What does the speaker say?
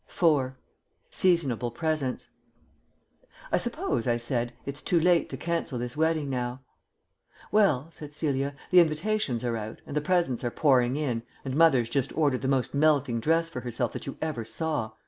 IV. SEASONABLE PRESENTS "I suppose," I said, "it's too late to cancel this wedding now?" "Well," said Celia, "the invitations are out, and the presents are pouring in, and mother's just ordered the most melting dress for herself that you ever saw.